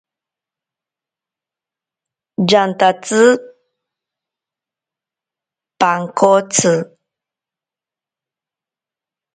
Yantatsi pankotsi.